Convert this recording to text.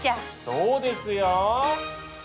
そうですよ！